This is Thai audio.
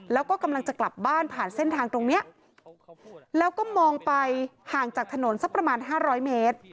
แล้วก็กำลังจะกลับบ้านผ่านเส้นทางตรงเนี้ยแล้วก็มองไปห่างจากถนนสักประมาณ๕๐๐เมตร